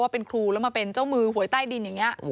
เป็นครูแล้วมาเป็นเจ้ามือหวยใต้ดินอย่างนี้